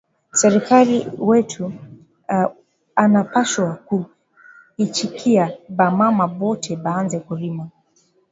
Serkali wetu ana pashwa ku ichikiya ba mama bote banze kurima